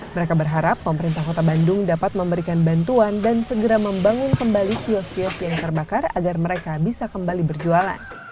mereka berharap pemerintah kota bandung dapat memberikan bantuan dan segera membangun kembali kios kios yang terbakar agar mereka bisa kembali berjualan